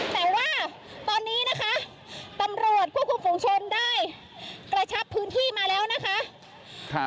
แต่ว่าตอนนี้นะคะตำรวจควบคุมฝุงชนได้กระชับพื้นที่มาแล้วนะคะ